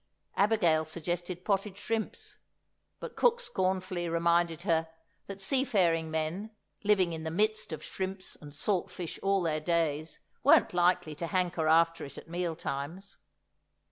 Abigail suggested potted shrimps; but cook scornfully reminded her that seafaring men, living in the midst of shrimps and salt fish all their days, weren't likely to hanker after it at meal times.